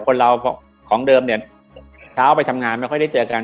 คนเราของเดิมเนี่ยเช้าไปทำงานไม่ค่อยได้เจอกัน